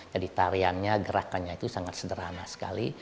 jadi tariannya gerakannya itu sangat sederhana sekali